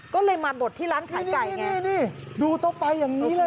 ก็เลยมาบดที่ร้านขายไก่นี่ดูต้องไปอย่างนี้เลย